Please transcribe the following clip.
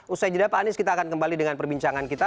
usai jeda pak anies kita akan kembali dengan perbincangan kita